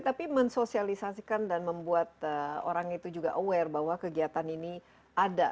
tapi mensosialisasikan dan membuat orang itu juga aware bahwa kegiatan ini ada